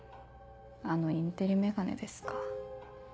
あのインテリ眼鏡ですか。